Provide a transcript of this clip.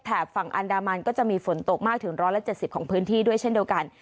ฝั่งอันดามันก็จะมีฝนตกมากถึง๑๗๐ของพื้นที่ด้วยเช่นเดียวกัน